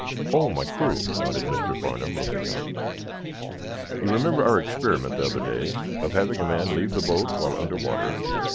"Oh, my crew," nodded Mr. Farnum, looking up. "You remember our experiment, the other day, of having a man leave the boat while under water?